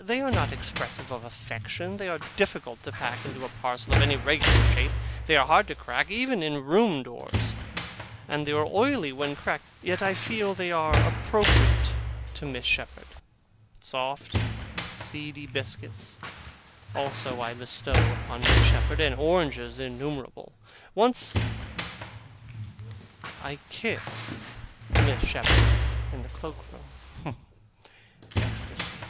They are not expressive of affection, they are difficult to pack into a parcel of any regular shape, they are hard to crack, even in room doors, and they are oily when cracked; yet I feel that they are appropriate to Miss Shepherd. Soft, seedy biscuits, also, I bestow upon Miss Shepherd; and oranges innumerable. Once, I kiss Miss Shepherd in the cloak room. Ecstasy!